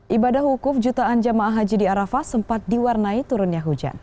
ibadah hukuf jutaan jamaah haji di arafah sempat diwarnai turunnya hujan